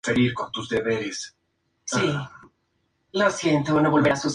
Nicolas no fue arrestado debido a que se hallaba en Londres.